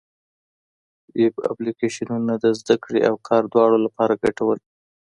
ویب اپلېکېشنونه د زده کړې او کار دواړو لپاره ګټور دي.